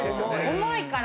重いから。